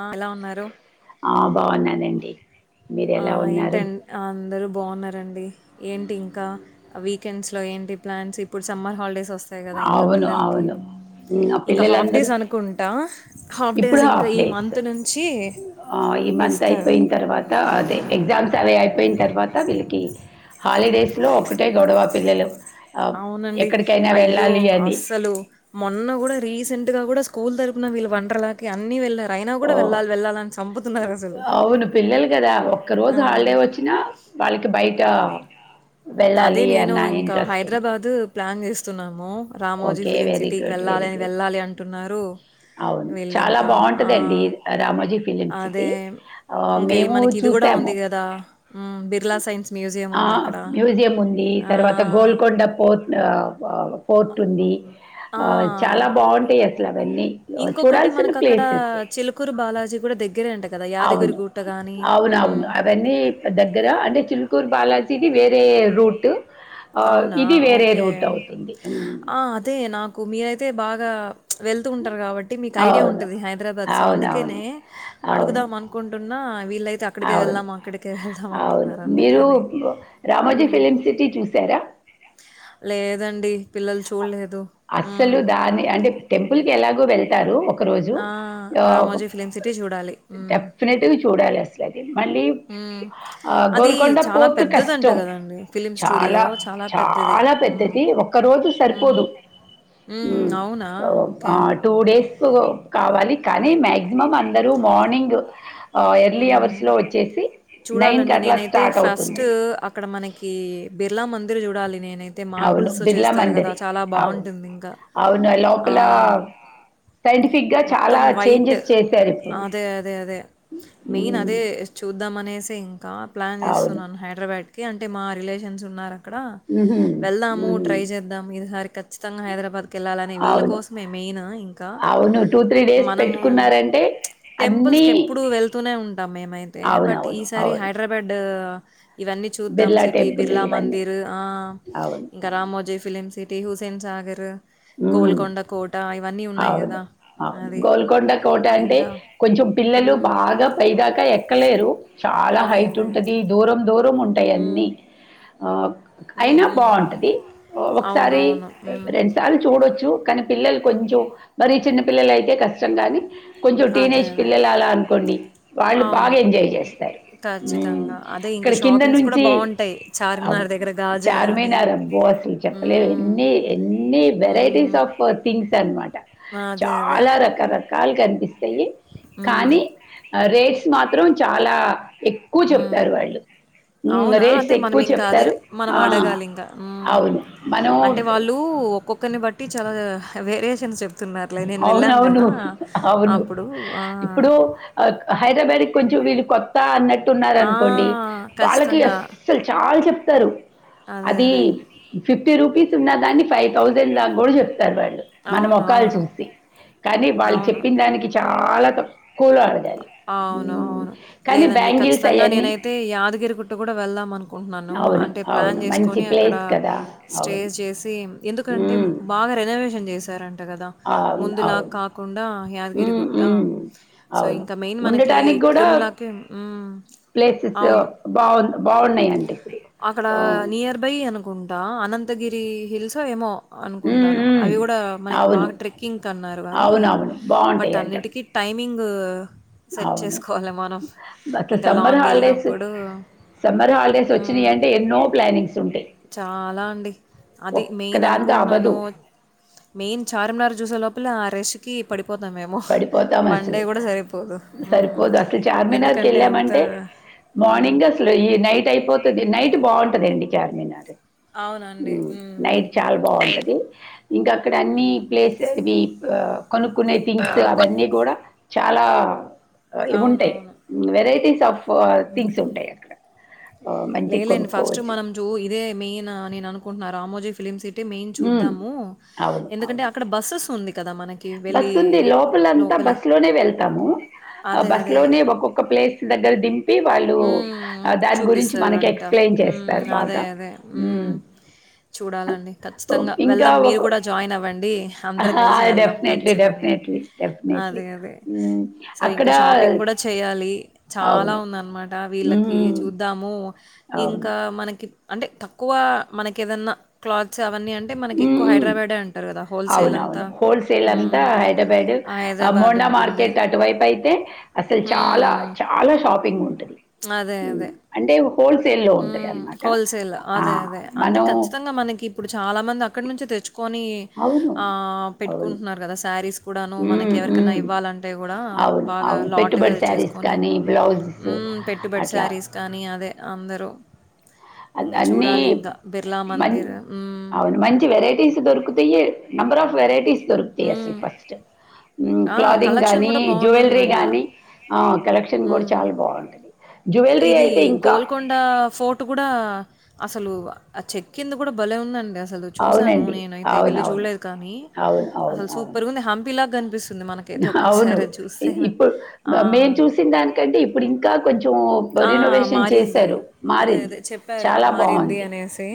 ఆ ఎలా ఉన్నారు ఆ బాగున్నానండి మీరు ఆ ఎలా ఏంటి ఉన్నారు అందరుూ బాగున్నారు ఏంటి ఇం వకెండ్స్ లో ఏ ప్లాన్స్ ఇప్పుడు సమ్మర్ హిడేస్ వ వస్తాయి కదా ఇంకా అవును పిల్లలకి అవును ఉమ్, ఆ ఇంకా పిల్లలందరూ హాఫ్డేస్ అనుకుంటా హాఫ్డేస్ ఇప్పుడు ఇంకా హాఫ్ ఈ డేస్ మంత్ నుంచి ఈ మంత్ ఇస్తారు అయిపోయిన తర్వాత అదే ఎగ్జామ్స్ అవే అయిపోయిన తర్వాత వీళ్ళకి హాలిడేస్ లో ఒకటే గొడవ పిల్లలు అవునండి ఎక్కడికైనా వెళ్ళాల అయ్యో అస్సలు మొన్న కూడా రీసెంట్ గా కూడా స్కూల్ తరపున వీళ్ళు వండర్ల అన్ని వెళ్ళి ఓ అసలు అవును పిల్లలు కదా ఒక్క రోజు ఆ హాలిడే వచ్చినా వాళ్ళకి బయట అదే వెళ్ళాలి నేను అన్న ఇంకా ఇంట్రెస్ట్ ఉంటుంది హైదరాబాద్ ప్లాన్ చేస్తున్నాము రామోజీ ఓకే ఫిలిం వెరీ సిటీకి గుడ్ వెళ్ళాలి వెరీ అని గుడ్ వెళ్ళాలి అంటున్నారు అవును చాలా వీళ్ళింకా ఆ! బాగుంటదండి రామోజీ ఫిలిం సిటీ అదే ఆహ్, ఇంకా మేము మనకి ఇది కూడా చూసాము. ఉంది కదా బిర్లా సైన్స్ మ్యూజియం ఆ! ఉంది అక్కడ మ్యూజియం ఉంది తర్వాత గోల్కొండ పోర్ట్ ఫోర్ట్ ఉంది ఆ చాలా బాగుంటాయి అసలు అవన్నీ ఇంకొకటి చూడాల్సిన ప్లేసెస్ కూడా దగ్గరేండి అవును అవున అవును అవన్నీ దగ్గర అంటే చిల్కూర్ బాలాజీది వేరే రూట్ అవునా? ఇది వేరే ఓకే. రూట్ అవుతుంది ఆ! అదే నాకు మీరైతే బాగా వెళ్తూ ఉంటారు కాబట్టి మీకు ఐడియా అవును. ఉంటుది హైదరాబాద్ సో అందుకేనే అవునవును. అవును. అవును. అడుగుదాం అనుకుంటు అవును వెళ్దాం అవును అంటున్నారు మీరు అందుకని. రామజీ హ్మ్. ఫిలిమ్ సిటీ చూసారా లేదండి పిల్లలు చూడలేదు అస్సలు హ్మ్. దాన్ని అంటే టెంపుల్ కి ఎలాగో వెళ్తారు ఒక రోజు ఆ! 'రామోజీ ఫిల్మ్ సిటీ' చూడాలి. డెఫినెట్గా చూడాలి అసలుది హ అది చాలా పోర్ట్ పెద్దది అంట కష్టం. కదండి ఫిలిమ్ స్టూడియో చాలా, చాలా పెద్దది తరుదు సరిపోదు ఉ హ్మ్. అవునా ఓకే ఆహ్, డేస్ కావాలి కానీ మ్యాక్సిమం అందరూ మార్నింగ్ ఎర్లీ అవర్స్ హ్మ్. లో వచ్చేసి చూడాలండి అట్లా నేనైతే స్టార్ట్ ఫస్ట్ అవుతుంది. అక్కడ మనకి బిర్లా మందిర్ చూడాలి నేను యితే అవును. మార్బుల్స్ బిర్లా చేస్తారు కదా మందిరే. చాలా అవును. బాగుంటుంది ఇంకా ఆ సైంటంటిఫిక్ మొత్తం వైట్ అదే అదే అదే మెయిన్ అదే హ్మ్ చూ చూద్దాం అనేసి ఇంకా ప్లాన్ అవును చేస్తున్నాను హైదరాబాద్కి అంటే మా రిలేషన్స్ ఉన్నార అక్కడ హుహు. వెళ్దాము హ్మ్. ట్రై చేద్దాము ఈదిసారి ఖచ్చితంగా హైదరాబాద్ క వెళ్ళాలనే వీళ్ళ అవును. కోసంమేమే ననా ఇంకా అవును. డేస్ మనము పెట్టుకున్నారంటే టెంపుల్స్ క అన్నీ ఎప్పుడు వెళ్తూనే ఉంట ా మ ఏమైతే బట్ అవునవును. ఈసారి అవును. హైదరాబాద్ ఇవన్నీ చూద్దాం బిర్లా సిటీ టెంపుల్ బిర్లా ఇవన్నీ. మందిర్ ఆ అవును. ఇంకా అవును. రామోజయ్ ఫిలిమ్ సి హుస్సేన్ సాగర్ హ్మ్. గోల్కొండ కోట ఇవన్నీ ఉన్నాయి అవును. కదా అవును అది గోల్కొండ కోట అంటే ఇంకా కొంచెం పిల్లలు మ్మ్ బాగా పైదాకా ఎక్కలేరు చాలా అదే హైట్ అదే ఉంటది దూరం దూరం ఉంటాయి మ్మ్ అన్నిీ మ్మ్ అయినా మ్మ్ బాగుంటది ఒకసారి అవునవును మ్మ్ రెండు సార్లు చూడొచ్చు కానీ పిల్లలు కొంచెం మరి చిన్నపిల్లల అయితే కష్టం కానీ కొంచెం అదే టీనేజ్ అదే పిల్లల అలా అనుకోండి వాళ్ళు బాగా అవును. ఎంజాయ్ హ్మ్. చేస్తారు ఉమ్, ఖచ్చితంగా అదే ఇంకా ఇక్కడ కింద షాపింగ్స్ కూడా నుంచి బాగుంటాయి చార్మినార్ దగ్గర గాజులు గానీ అసల్ చెప్పలే హ్మ్. ఎన్ని ఎన్ని వెరైటీస్ హ్మ్. ఆఫ్ థింగ్స్ అనమాట అదే. అదే. చాలా రకరకాలు కనిపిస్త్ పోయి హ్మ్. కానీ ఆరేట్స్ మాత్రం చాలా ఎక్కువ హ్మ్. చెప్తారు వాళ్ళు ఉమ్, అవునా రేట్స్ అంటే మనం ఎక్కువ ఇంకా అదే చెప్తారు మనం ఆ, అడగాలి ఇంకా ఉమ్మ్ అవును మనం అంటే వాళ్ళు ఒక్కొక్కరిని బట్టి చాలా వేరే అవునవును అవును అప్పుడు ఆ! ఇప్పుడు ఆ హైదరాబాడ్ కొంచెం వీళ్ళు కొత్త అన్నట్టు ఆ! తున్నారనుకోండి వాళ్ళకి ఖచ్చితంగా. అసలు చాలా చెప్తారు అదే. అది అదే. ఫిఫ్టీ రూపీస్ ఉన్న దాన్ని ఫైవ్ థౌసండ్ లా కూడా చెప్తారు వాళ్ళు మనం అవును. ఒక అవును. చూ కానీ వాళ్ళు అవును. చెప్పిన దానికి చాలా తక్కువలో అడగాలి అవును ఉమ్, అవును కానీ లేదండి బ్యాంగిల్స్ ఖచ్చితంగా అవన్నీ నేనైతే యాదగిరిగుట్ట కూడా వెళ్దాం అనుకుంటున్నాను అవును అంటే ప్లాన్ అవును మంచి చేసుకొని అక్కడ ప్లేస్ కదా అవును స్టేస్ చేసి ఎందుకంటే ఉమ్. బాగా రెనోవేషన్ చేసి చేసారంట కదా అవును. ముందులాగ అవును. కాకుండా హ్మ్. గిరిగుట్టా హ్మ్. సో అవును. ఇంకా మెయిన్ మనకి ఉండటానికి గూడా తిరుమలకి మ్ ప్లేసెస్ అవును బావున్ బావున్నాయండి ఇప్పుడు. అక్కడా ఆహ్, నియర్ బై అనుకుంటా అనంతగిరి హిల్స్ ఓ ఏమో హ్మ్. అనుకుంటాను హ్మ్. అవీ గుడా మనకి అవును. బాగా ట్రెక్కింగ్ కి అన్నారు గానీ అవునవును. బట్ బావుంటాయంట. అన్నిటికీ టైం మీంగ్ సెట్ అవును. చేసుకోవాలి మనం అసలు ఇంక లాంగ్ ఎళ్ళినప్పుడు రాలిడేస్ వచ్చినియి హ్మ్. అంటే ఎన్నో ప్లానింగ్స్ ఉంటాయి చాలా అండి. అది మెయిన్ ఒక్కదాంతో అవ్వదు. అనుకుంటున్నాను మెయిన్ చార్మినార్ చూసేలోపే ఆ రష్ కి పడి పోతామేమో పడిపోతాం వన్ డే అసలు. కుడా సరిపోదు సరిపోదు. అసలు ఎందుకంటే అంత చార్మినార్‌కెళ్ళామంటే హ్మ్. మార్నింగ్ అసలు ఈ నైట్ అయిపోతది నైట్ బావుంటది అండి చార్మినార్ అవున ఉహ్మ్ నైట్ చాలా బావుంటది ఇంక అక్కడ అన్ని హ్మ్. ప్లేసెస్ దీప్ కొనుక్కునే థింగ్స్ అవన్నీ కూడా చాలా ఇవి ఉంటాయి అవునవును. వెరైటీస్ ఆఫ్ థింగ్స్ ఉంటాయి అక్కడ ఆహ్, మంచిగా లేలేండి ఫస్ట్ కొనుక్కోవచ్చు. మనం జో ఇదే మెయిన్ అని అనుకుంటున్నా రామోజీ ఫిలిమ్ సిటీ టే మెయిన్ హ్మ్. చూద్దాము ఎందుకంటే అక్కడ బస్సెస్ ఉంది కదా! మనకి వెళ్ళి బస్సు ఉంది లోపలంతా లోపలే. బస్సు లోనే వెళ్తాము ఆ అదే. బస్సు అదే. లోనే ఒక్కొక్క ప్లేస్ దగ్గర దింపి వాళ్ళు ఆ దాని గురించి మనకి సరంటా ఎక్స్‌ప్లెయిన్ చేస్తారు ఉమ్ అదే బాగా. అదే హ్మ్. ఉమ్ చూడాలండి ఖచ్చితంగా ఇంకా వెళ్దాం మీరు ఒక కూడా జాయిన్ అవ్వండి అందరం కలిసి వెళ్దాం డెఫినెట్లీ. ఖచ్చితంగా డెఫినెట్లీ. డెఫినెట్లీ. అదే అదే హ్మ్. సో అక్కడ ఇంకా షాపింగ్ కూడా చేయ్యాలి చాలా అవును. ఉంద అన్నమాట వీళ్ళకి హ్మ్. చూద్దాము అవును. ఇంకా మనకి అంటే తక్కువ మనకి ఏదన్నా క్లాత్స్ ఇవి అన్ని అంటే మన ఎక్కువ హ్మ్. హైదరాబాడే అంటారు కదా హోల్ సేల్ అంత అవునవును. హోల్‌సేల్ అంతా హైదరాబాదు. ఆహ్, మోండా మార్కెట్ అటువైపు అయితే అసలు చాలా హ్మ్. చాలా షాపింగ్ ఉంది అదే అదే హోల్‌సేల్‌లో ఉంటదనమాట. హోల్సేల్ ఆ! అదే అదే అంటే మనం ఖచ్చితంగా మనకి ఇప్పుడు చాలా మంది అక్కడి నుంచే తెచ్చు కొని అవును. ఆ అవును. పెట్టుకుంటున్నారు కదా శారీస్ కూడాను మనకి హ్మ్. ఎవరికైన్నా హ్మ్. ఇవ్వాలంటే కూడా ఆ అవును. బాగా అవును. లాట్ గా పెట్టుబడి శారీస్ తెచ్చెసుకోని కానీ, బ్లౌజెస్ మ్ పెట్టుబడి అట్లా. శారీస్ కానీ అదే అందరూ అద్ ఇంగ అన్నీ చూడాలింక. బిర్లా మంచ్ మందిర్. హ్మ్. అవును మంచి వెరైటీస్ దొరుకుతాయి నంబర్ ఆఫ్ వెరైటీస్ దొరుకుతియ్ అసలు హ్మ్. ఫస్ట్ ఉమ్ ఆ! క్లాదింగ్ కలెక్షన్ కానీ గూడా జ్యువెలరీ బావుంటుందంట. కానీ హ్మ్. కలెక్షన్ కూడా చాలా బాగుంటాది ఇది గోల్కొండా ఫోర్ట్ కూడా అసలు ఆ చెక్ కింది కూడా భలే ఉందండి అసలు చూసాను అవునండి నేనయితే వీళ్ళు అవునవును చూడలేదు కానీ అవును అవును అసలు అవును సూపర్గా ఉంది హంపిలాగా కనిపి అవును ఇప్పుడు ఆ! మే మేము చూసిన దానికంటే ఇప్పుడు ఇంకా కొంచెం మా,, ఆ! రినోవేషన్ మారింది. చేశారు అదే మారింది అదే చెప్పారు. చాలా మారింది బాగుంది అనేసి.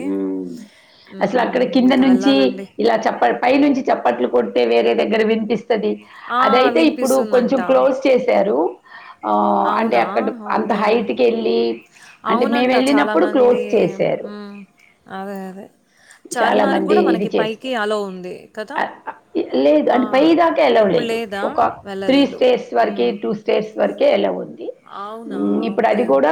అసలు అక్కడ హ్మ్. కింద ఇంక నుంచి వెళ్ళాలండి. ఇలా చప్ప పై నుంచి చప్పట్లు కొడు వేరే దగ్గర వినిపిస్తది ఆ! అదైతే ఇప్పుడు వినిపిస్తుందంట. కొంచెం క్లోజ్ చేశారు ఆ అంటే అవునా? అక్కడ అంత హైట్ ఓకే. కి వెళ్ళి అవునంట చాలా మంది అదే అదే చాలా చార్మినార్ కు మంది కూడా మనకి ఇది చేసుకో పైకి అలోవ్ ఉంది కదా లేదు ఆ! అంటే పై దాకా అల్లఓ ఇప్పుడు లేదు లేదా? ఒక త్రీ వెళ్ళలేదు. స్టేస్ వరకి హ్మ్. టూ స్టేస్ వరక ఆలో ఉంది అవునా ఇప్పుడు ఓకే అది కూడా